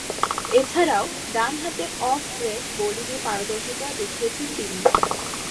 এছাড়াও, ডানহাতে off break বোলিংয়ে পারদর্শীতা দেখিয়েছেন তিনি।